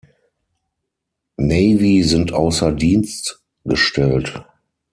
Navy sind außer Dienst gestellt.